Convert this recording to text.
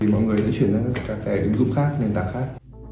mọi người sẽ chuyển sang các ứng dụng khác nền tảng khác